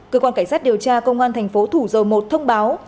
cơ quan cảnh sát điều tra công an thành phố thủ dầu một thông báo